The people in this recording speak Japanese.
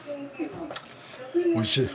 おいしい。